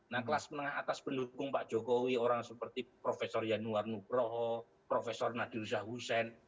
nah kelas menengah atas pendukung pak jokowi orang seperti profesor yanuar nubroho profesor nadir zahusen